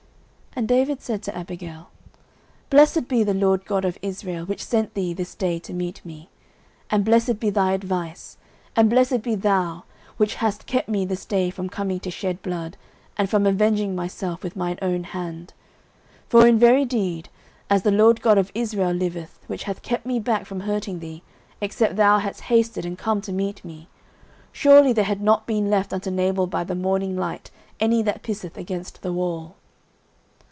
09:025:032 And David said to Abigail, Blessed be the LORD God of Israel, which sent thee this day to meet me: 09:025:033 And blessed be thy advice, and blessed be thou, which hast kept me this day from coming to shed blood, and from avenging myself with mine own hand. 09:025:034 For in very deed, as the LORD God of Israel liveth, which hath kept me back from hurting thee, except thou hadst hasted and come to meet me, surely there had not been left unto Nabal by the morning light any that pisseth against the wall.